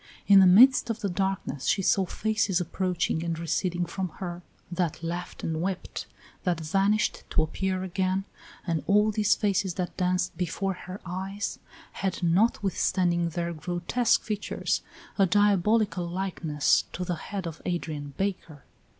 In the midst of the darkness she saw faces approaching and receding from her, that laughed and wept, that vanished to appear again, and all these faces that danced before her eyes had, notwithstanding their grotesque features, a diabolical likeness to the head of Adrian Baker.